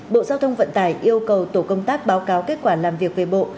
bộ giao thông vận tải yêu cầu tổ công tác báo cáo kết quả làm việc về bộ